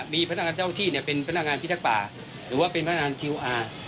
มีพนักงานเจ้าที่เป็นพนักงานพิทักษ์ป่าหรือว่าเป็นพนักงานคิวอาร์